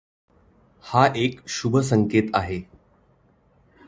हा एक शुभ संकेत आहे.